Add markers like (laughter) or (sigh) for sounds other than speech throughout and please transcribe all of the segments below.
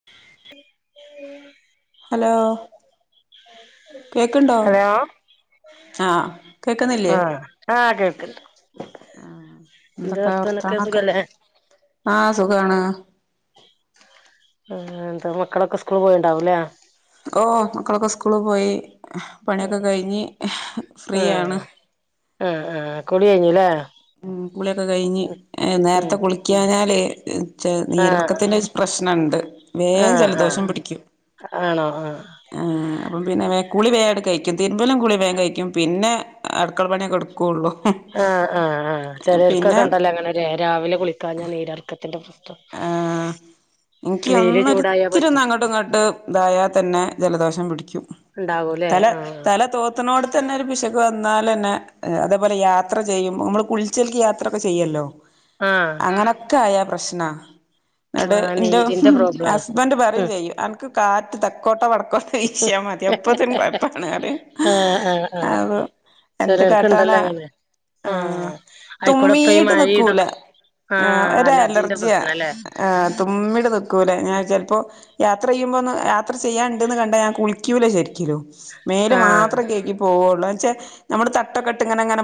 (unintelligible) ട്ടെയ് hello കേക്ക്ണ്ടോ hello ആഹ് കേക്കുന്നില്ലേ ആഹ് ആഹ് കേക്ക്‌ണ്ട് എന്താ വർത്താനൊക്കെ സുഖല്ലേ ആഹ് സുഖാണ് ആഹ് എന്താ മക്കളൊക്കെ സ്കൂള് പോയിണ്ടാവും ല്ലേ ഓ മക്കളൊക്കെ സ്കൂള് പോയി ആഹ് പണിയൊക്കെ കഴിഞ്ഞ് ഫ്രീയാണ് ആഹ് ആഹ് കുളി കഴിഞ്ഞു ല്ലേ ഉം കുളിയൊക്കെ കഴിഞ്ഞ് എഹ് നേരത്തെ കുളിക്ക്യാഞ്ഞാലേ ഇഹ് ച്ചെ നീര് ആഹ് എറക്കത്തിന്റെ പ്രശ്നം ഇണ്ട് ആഹ് ആഹ് ആണോ ആഹ് ആഹ് അപ്പം പിന്നെ വേ കുളി വേ ആണ്ട് കഴിക്കും തിരുമ്പലും കുളി വേഗം കഴിക്കും പിന്നെ അടുക്കള പണിയൊക്കെ ഇട്ക്കൊള്ളു ആഹ് ആഹ് ആഹ് ചെലര്ക്കൊക്കെ ഇണ്ടല്ലോ അങ്ങനെ ഒര് രാവിലെ കുളിക്കാഞ്ഞാ നീര് എറക്കത്തിന്റെ പ്രശ് ആഹ് (inaudible) എനിക്ക് വെയില് ഒന്ന് ചൂടായാ ഒരിത്തിരി ഒന്ന് പറ്റും അങ്ങോട്ടും ഇങ്ങോട്ട് ഇതായാ തന്നെ ജലദോഷം പിടിക്കും ഉണ്ടാവൂലേ തല തല തോ മത്തിനോട് തന്നെ ഒരു പിശക് വന്നാലെന്നെ അതേപലെ യാത്ര ചെയ്യും നമ്മള് കുളിച്ച്ൽക്ക് യാ ത്രക്കെ ചെയ്യല്ലോ ആഹ് അങ്ങനെക്കായ പ്രശ്ന ന്നിട് ആഹ് ഇൻ്റെ നീരിന്റെ പ്രോബ്ലം ആണ് ഹസ്ബൻറ്റ് പറയെ ഉം ചെയ്യും അനക്ക് കാറ്റ് തെക്കോട്ട, വടക്കോ ഉം ച്ചാ മതി അപ്പത്തേനും കൊഴപ്പാണറയും അപ്പൊ എന്ത് ചേലോൽക്ക് ഇണ്ടല്ലോ കാട്ടാനാ അങ്ങനെ ആഹ് ആയിക്കൂടെപ്പ തുമ്മീട്ട് മഴ നിക്കൂല ഇതൊക്കെ ആഹ് ഒരു അലർജിന്ന്റെ അലർജിയാ പ്രശ്നല്ലേ ആഹ് തുമ്മീട് നിക്കൂല ഞാൻ ചെലപ്പോ യാത്ര യ്യുമ്പോ ഒന്ന്, യാത്ര ചെയ്യാനുണ്ടന്ന് കണ്ട ഞാൻ കുളിക്കൂല ശരിക്കിലു മേല് ആഹ് മാത്രേ കേക്കി പോവള്ളു ന്നച്ചേ നമ്മള് തട്ടൊക്കെട്ട് ഇങ്ങനെങ്ങനെ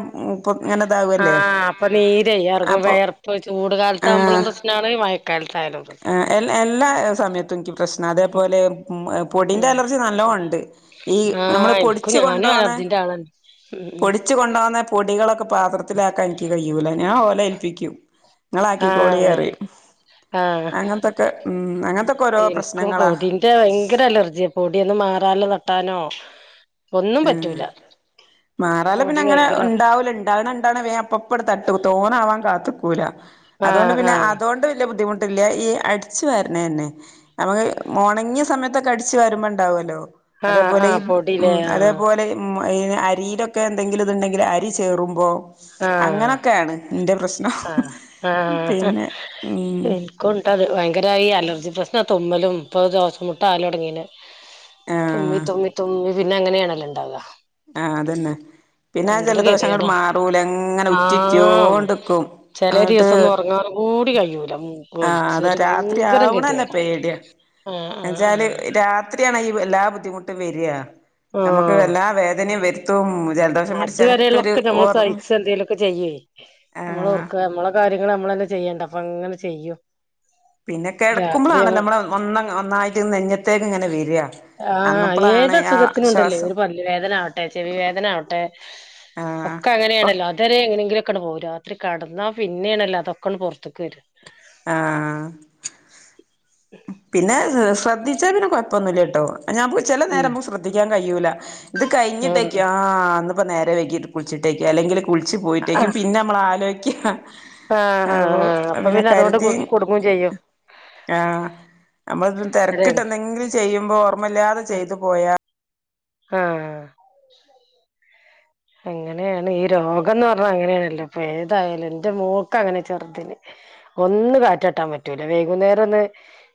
ഇങ്ങനെ ഇതാവല്ലേ ആഹ് അപ്പൊ നീര് ഇറങ്ങും അപ്പൊ വിയർപ്പ് ചൂട് കാലത്താവുമ്പോളും പ്രശ്ന അയ് മയക്കാലത്താരുന്നു എ എല്ലാ സമയ പ്രശ്ന അതേപോലെ പൊടിന്റെ ഉം അലർജി നല്ലോണ്ട് ഈ നമ്മള് പൊ ക്കു ഞാനു അലർജിന്റെളാണ് ഉം ഉം ച്ച് കൊണ്ടോന്ന പൊടികളൊക്കെ പാത്രത്തിലാക്കാ എനിക്ക് കയൂല ഞാഓലെ ഏൽപ്പിക്കും ആഹ് ഇങ്ങളാക്കികോളിറയും ആഹ് അങ്ങനത്തൊക്കെ, അങ്ങനത്തൊക്കെ ഓരോ പ്രശ്നങ്ങളാ മറ്റേ ഭയങ്കര അലർജിയ പൊടിയൊന്ന് മാറാല തട്ടാനോ ഒന്നും ആഹ് പറ്റൂല മാറാല പൊടി പിന്നെ അങ്ങനെ ഭയങ്കര ഉണ്ടാവൂല ഇണ്ടാവണ ഇണ്ടാവണ വേ ഒപ്പടെ തട്ടു തോനാവാൻ കാത്ത്ക്കൂല, അതുകൊണ്ട് ആഹ് പിന്നെ ആഹ് അതോണ്ട് വലിയ ബുദ്ധിമു ട്ടെല്ല ഈ അടിച്ചു വരണേന്നെ. നമുക്ക് ഒണങ്ങിയ സമയത്തൊക്കെ അടിച്ചു വരുമ്പോണ്ടാവല്ലോ ആഹ് അതേപോലെ ഈ ആഹ് പൊടിലേ ഉം തുപോലെ ആഹ് ഈ അരിയിലൊക്കെ എന്തെങ്കിലു ഇതുണ്ടെങ്കില് അരി ചേറുമ്പോ ആഹ് അങ്ങനൊക്കെയാണ് ഇന്റെ പ്രശ്നം ആഹ് പിന്നെ ഉം എനിക്കുംഇണ്ട് അത് ഭയങ്കരമായി ക്കുണ്ടത് വയങ്കര ഈ അലർജി പ്രശ്ന തുമ്മലും ഇപ്പത് ശ്വാസംമുട്ടലും ആവലുടങ്ങീലെ തുമ്മി ആഹ് തുമ്മി തുമ്മി പിന്നെ അങ്ങനെയാണല്ലോ ഉണ്ടാവ ആഹ് അതന്നെ പിന്നെ ജലദോഷങ്ങട് ഗതികേടാണ് മാറൂല ഇ ആഹ് ചെല ദിവസം ഒന്ന് എന്നിട്ട് ഉറങ്ങാനു കൂടി കയൂല ആഹ് അതാ രാത്രി ആവണന്നെ പേടിയാ ആഹ് ന്നച്ചാല് ആഹ് രാ ത്രിയാണ് എല്ലാ ബുദ്ധിമുട്ടും വര ആഹ് നമുക്ക് ആഹ് എല്ലാ വേദനയും വരുത്തും ജ അതുവരെയുള്ളൊക്കെ നമ്മൾ സഹിച്ച എന്തെങ്കലൊക്കെ ചെയ്യേ, നമ്മള് ആഹ് ഓർക്ക നമ്മള് കാര്യങ്ങള് നമ്മളന്നെ ചെയ്യണ്ട അപ്പൊ അങ്ങനെ ചെയ്യും പിന്നെ രാത്രി ആവു കിടക്കുമ്പോളാണല്ലോ നമ്മ ഒന്ന ഒന്നായിട്ട്ന്ന് നെഞ്ഞത്തേക്ക് ഇങ്ങനെ വര ആഹ് ഏത് സുഖത്തിനുണ്ടല്ലേ ഒരു പല്ല് വേദനവട്ടെ, ചെവി വേദന ആവ ആഹ് ഒക്കെ അങ്ങനെയാണല്ലോ അ തരെ എങ്ങനെങ്കിലൊക്കങ്ങട് പോവും, രാത്രി കെടന്നാ പിന്നെയണല്ലോ അതൊക്കൊ പുറത്ത്ക്ക് വര ആഹ് പിന്നെ ശ്രദ്ധിച്ചാ പിന്നെ കുഴപ്പൊന്നുല്ലട്ടോ, ഞാൻ ചില ഉം നേരം ശ്രദ്ധിക്കാൻ കയൂല ഇത് ഉം കഴിഞ്ഞിട്ടേക്ക ആഹ് ഇന്നിപ്പം നേരെ വൈകിട്ട് കുളിച്ചിട്ടേക്കോ അല്ലെങ്കി കുളിച്ച് പോയിട്ടേക്കും പിന്നെ നമ്മള ആലോയ്ക അ ആഹ് അപ്പൊ പിന്നെ അതുകൊണ്ട് കുടുങ്ങും ചെയ്യും ആഹ അമ്മൾ അതെ തെരക്കിട്ട് എന്തെങ്കിലും ചെയ്യുമ്പോ ഓർമ്മല്യാതെ ചെയ്തു പോയാ ആഹ് എങ്ങനെണ് ഈ രോഗംന്ന് പർഞ്ഞ അങ്ങനെണല്ലോ ഫേതായാലുന്റെ മോക്കഅങ്ങനെ ചെറ്തിന് ഒന്ന് കാറ്റട്ടാൻ പറ്റൂല വൈകുന്നേരൊന്ന്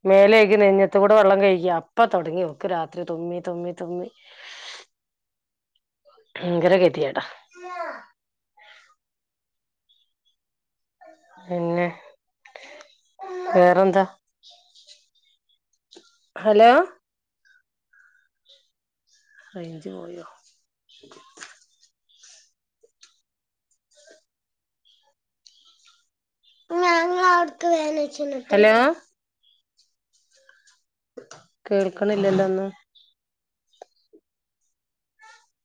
മേലേകി നഞ്ഞത്ത് കൂടെ വള്ളം കയ്ക്യാ അപ്പാ തൊടങ്ങി ഓക്ക് രാത്രി തുമ്മി തുമ്മി തുമ്മി ങ്കര ഗതിയേടാ പിന്നെ വേറെന്താ ഹലോ റൈഞ്ച് പോയോ ഹലോ കേൾക്ണ്ല്ലല്ലോ ഒന്നും